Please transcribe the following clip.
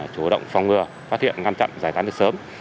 chủ động phòng ngừa phát hiện ngăn chặn giải tán được sớm